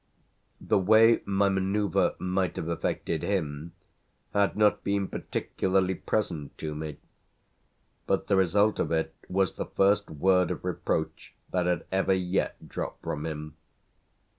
The way my manoeuvre might have affected him had not been particularly present to me; but the result of it was the first word of reproach that had ever yet dropped from him.